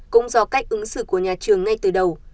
cũng do cách ứng xử của nhà trường ngay từ đầu